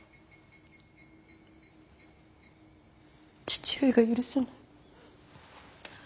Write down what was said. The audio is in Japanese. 父上が許せない。